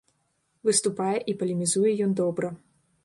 Выступае і палемізуе ён добра.